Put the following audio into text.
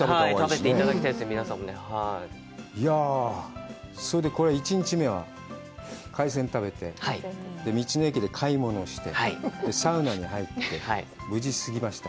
食べていただきたいです、皆さんにも。それでこれは１日目は海鮮食べて、道の駅で買い物をして、サウナに入って、無事、過ぎました。